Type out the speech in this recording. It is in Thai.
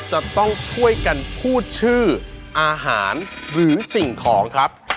จะต้องช่วยกันพูดชื่ออาหารหรือสิ่งของครับ